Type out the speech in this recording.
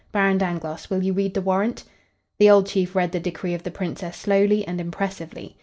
Baron Dangloss, will you read the warrant?" The old chief read the decree of the Princess slowly and impressively.